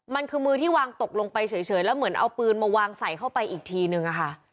มันคือมือที่วางตกลงไปเฉยแล้วเหมือนเอาปืนมาวางใส่เข้าไปอีกทีนึงอะค่ะ